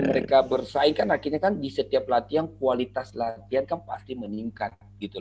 mereka bersaing kan akhirnya kan di setiap latihan kualitas latihan kan pasti meningkat